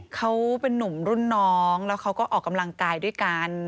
เขาเป็นนุ่มรุ่นน้องแล้วเขาก็ออกกำลังกายด้วยกัน